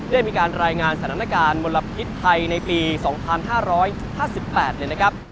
ได้มีการรายงานสถานการณ์มลพิษไทยในปี๒๕๕๘เนี่ยนะครับ